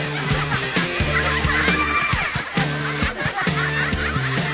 アハハハ。